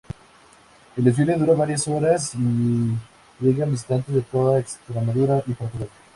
El desfile dura varias horas y llegan visitantes de toda Extremadura y Portugal.